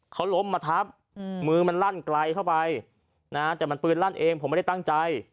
เขารมมาถับมือมันลั่นไกลเข้าไป